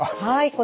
はい。